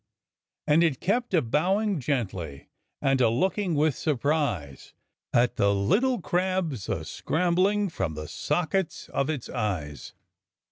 "And it kept a bowing gently and a looking with surprise At the little crabs a scrambling from the sockets of its eyes."